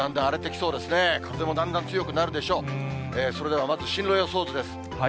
それではまず進路予想図です。